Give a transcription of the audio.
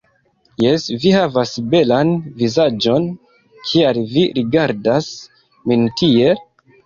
Jes, vi havas belan vizaĝon, kial vi rigardas min tiel?